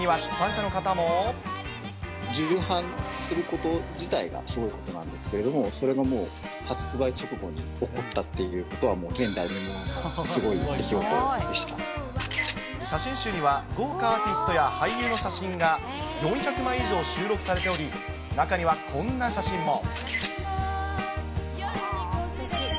重版すること自体がすごいことなんですけれども、それがもう、発売直後に起こったということは、もう前代未聞、写真集には、豪華アーティストや俳優の写真が４００枚以上収録されており、中にはこんな写真も。